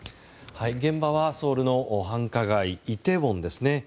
現場はソウルの繁華街イテウォンですね。